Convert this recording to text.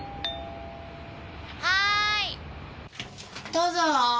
どうぞ。